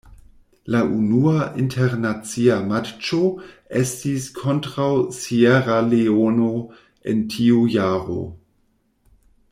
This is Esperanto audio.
La unua internacia matĉo estis kontraŭ Sieraleono en tiu jaro.